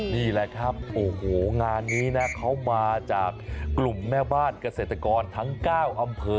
นี่แหละครับโอ้โหงานนี้นะเขามาจากกลุ่มแม่บ้านเกษตรกรทั้ง๙อำเภอ